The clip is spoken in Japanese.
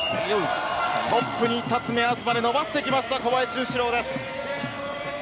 トップに立つ目安まで伸ばしてきました、小林潤志郎です。